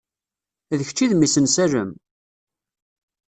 D kečč i d mmi-s n Salem?